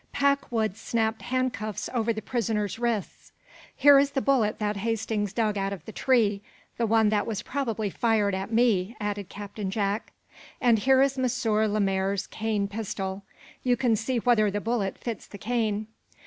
Packwood snapped handcuffs over the prisoner's wrists. "Here is the bullet that Hastings dug out of the tree the one that was probably fired at me," added Captain Jack. "And here is M. Lemaire's cane pistol. You can see whether the bullet fits the cane."